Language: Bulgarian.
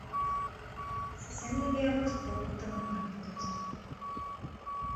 съвсем не вярва в сполуката на правителството.